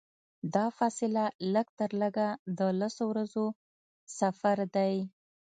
دا فاصله لږترلږه د لسو ورځو سفر دی.